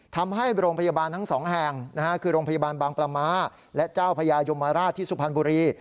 ทำให้โรงพยาบาลทั้งสองแห่งคือโรงพยาบาลบางปลาม้าและเจ้าพญายมราชที่สุพรรณบุรี